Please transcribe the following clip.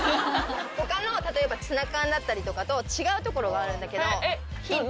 他の例えばツナ缶だったりとかと違うところがあるんだけど。